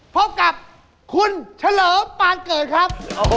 พบกับคุณเฉลิมปานเกิดครับ